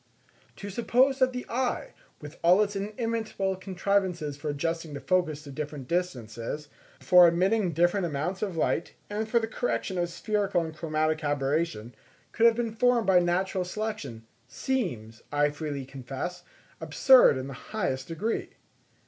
_ To suppose that the eye with all its inimitable contrivances for adjusting the focus to different distances, for admitting different amounts of light, and for the correction of spherical and chromatic aberration, could have been formed by natural selection, seems, I freely confess, absurd in the highest degree.